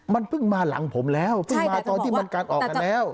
มันเพิ่งมาหลังผมแล้วเพิ่งมาตอนที่มันการออกกันแล้ว